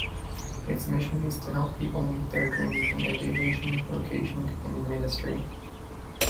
Its mission is to help people meet their dreams in education, vocation, and ministry.